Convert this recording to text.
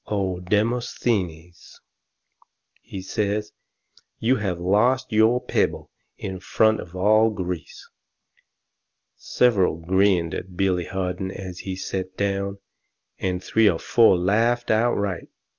O Demosthenes!" he says, "you have lost your pebble in front of all Greece." Several grinned at Billy Harden as he set down, and three or four laughed outright.